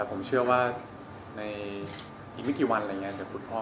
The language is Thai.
ผมเชื่อว่าในอีกไม่กี่วันคุณพ่อก็น่าจะดีขึ้นครับ